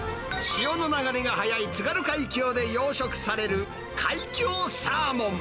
潮の流れが速い津軽海峡で養殖される、海峡サーモン。